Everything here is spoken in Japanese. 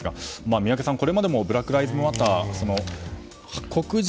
宮家さん、これまでもブラック・ライブズ・マター黒人